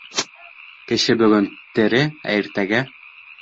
Кеше бөгөн тере, ә иртәгә...